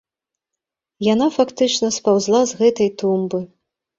Яна фактычна спаўзла з гэтай тумбы.